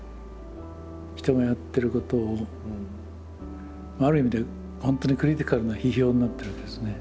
人がやってることをある意味で本当にクリティカルな批評になってるわけですね。